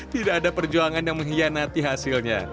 tidak ada perjuangan yang mengkhianati hasilnya